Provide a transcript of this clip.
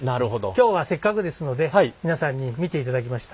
今日はせっかくですので皆さんに見ていただきました。